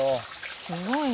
すごいな。